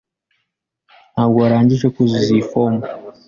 Ntabwo warangije kuzuza iyi fomu.